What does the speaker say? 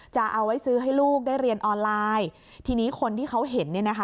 จะเอาไว้ซื้อให้ลูกได้เรียนออนไลน์ทีนี้คนที่เขาเห็นเนี่ยนะคะ